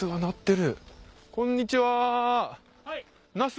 こんにちはナス